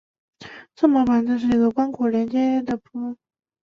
正模标本是一个关节仍连阶的部分身体骨骼。